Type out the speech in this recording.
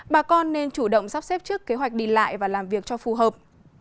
bà con nên chủ động sắp xếp trước kế hoạch đi lại và làm việc cho phù hợp